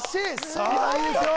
さあいいですよ